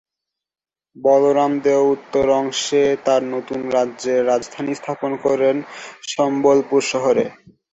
বলরাম দেও উত্তর অংশে তার নতুন রাজ্যের রাজধানী স্থাপন করেন সম্বলপুর শহরে।